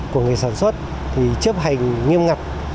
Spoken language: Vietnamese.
của người sản xuất thì chấp hành nghiêm ngập